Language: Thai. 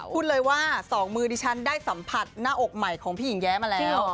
พูดเลยว่าสองมือดิฉันได้สัมผัสหน้าอกใหม่ของพี่หญิงแย้มาแล้ว